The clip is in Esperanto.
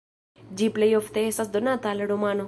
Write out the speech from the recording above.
Ĝi plej ofte estas donata al romano.